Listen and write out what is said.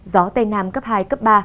gió tây nam cấp hai cấp ba